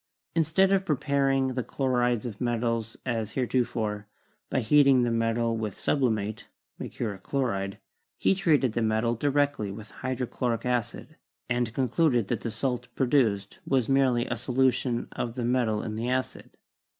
Instead of preparing the chlorides of metals as heretofore, by heating the metal with sublimate (mercuric chloride), he treated the metal directly with hydrochloric acid, and concluded that the salt produced was merely a solution of the metal in the acid.